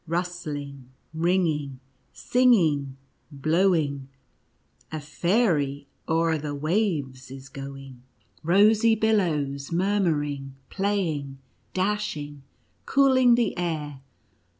— rustling:, linain^, singing, blowing !— a faiiy o'er the waves is going! Rosy billows, murmuring, playing, dashing, cooling the air